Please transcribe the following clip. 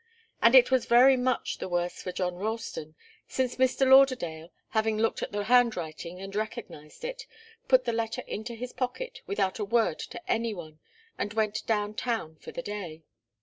And it was very much the worse for John Ralston, since Mr. Lauderdale, having looked at the handwriting and recognized it, put the letter into his pocket without a word to any one and went down town for the day.